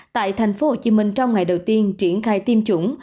tại thành phố hồ chí minh trong ngày đầu tiên triển khai tiêm chủng